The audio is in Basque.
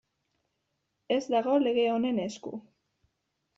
Ez dago lege honen esku.